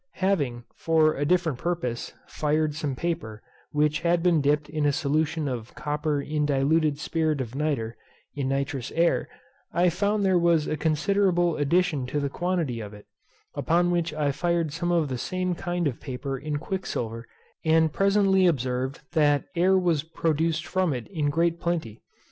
Having, for a different purpose, fired some paper, which had been dipped in a solution of copper in diluted spirit of nitre, in nitrous air, I found there was a considerable addition to the quantity of it; upon which I fired some of the same kind of paper in quicksilver and presently observed that air was produced from it in great plenty.